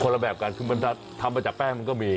ละแบบกันคือมันทำมาจากแป้งมันก็มี